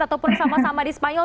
ataupun sama sama di spanyol